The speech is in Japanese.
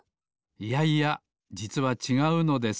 いやいやじつはちがうのです。